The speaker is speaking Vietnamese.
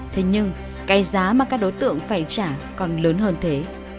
thế nhưng cái giá mà các đối tượng phải trả còn lớn hơn thế